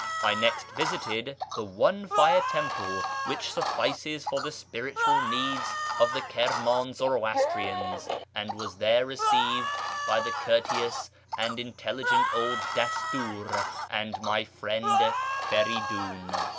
I next visited the one fire temple which suffices for the spiritual needs of the Kirman Zoroastrians, and was there received by the courteous and intelligent old dastur and my friend Feridun.